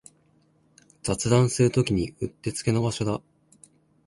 雑談するときにうってつけの場所だ